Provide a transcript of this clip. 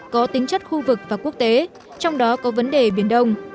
có tính chất khu vực và quốc tế trong đó có vấn đề biển đông